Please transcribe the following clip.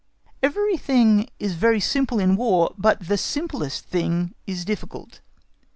Everything is very simple in War, but the simplest thing is difficult.